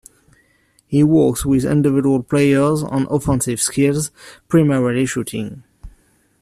He works with individual players on offensive skills, primarily shooting.